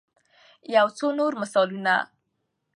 يو څو نور مثالونه